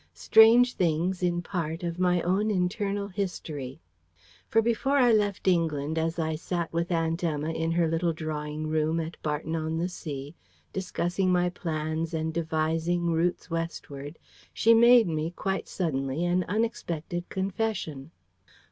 Strange things, in part, of my own internal history. For before I left England, as I sat with Aunt Emma in her little drawing room at Barton on the Sea, discussing my plans and devising routes westward, she made me, quite suddenly, an unexpected confession.